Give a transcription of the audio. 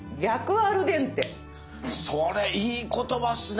それいい言葉っすね！